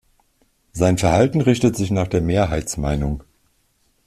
Sein Verhalten richtet sich nach der Mehrheitsmeinung.